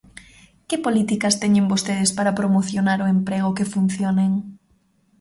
¿Que políticas teñen vostedes para promocionar o emprego que funcionen?